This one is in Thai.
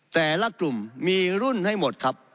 แต่ละกลุ่มมีรุ่นให้หมดครับ